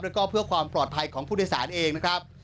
แล้วก็เพื่อความปลอดภัยของผู้โดยสารเองนะครับ